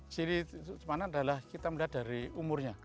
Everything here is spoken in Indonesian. ciri siap panen adalah kita melihat dari umurnya